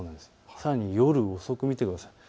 さらに夜遅くを見てください。